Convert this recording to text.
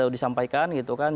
disampaikan gitu kan